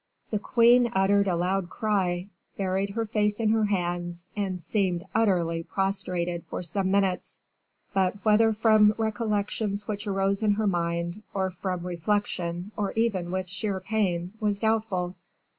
The queen uttered a loud cry, buried her face in her hands, and seemed utterly prostrated for some minutes; but whether from recollections which arose in her mind, or from reflection, or even with sheer pain, was doubtful.